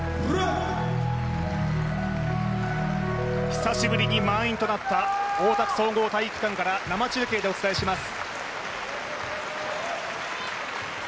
久しぶりに満員となった大田区総合体育館から生中継でお伝えします。